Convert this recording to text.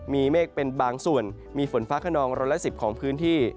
มีเมฆเป็นบางส่วนมีฝนฟ้าขนองร้อยละ๑๐ของพื้นที่